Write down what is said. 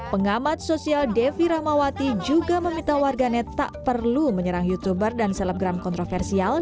pengamat sosial devi rahmawati juga meminta warganet tak perlu menyerang youtuber dan selebgram kontroversial